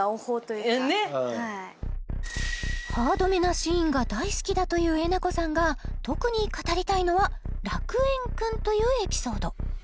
はいハードめなシーンが大好きだというえなこさんが特に語りたいのは「楽園くん」というエピソード